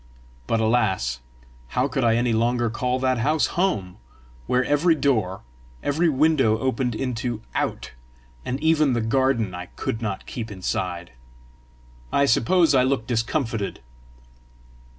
But, alas! how could I any longer call that house HOME, where every door, every window opened into OUT, and even the garden I could not keep inside! I suppose I looked discomfited.